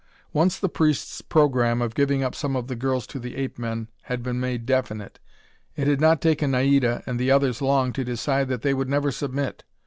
Once the priests' program of giving up some of the girls to the ape men had been made definite, it had not taken Naida and the others long to decide that they would never submit.